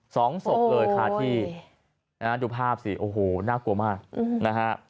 สองศพเลยค่ะที่นะฮะดูภาพสิโอ้โหน่ากลัวมากนะฮะ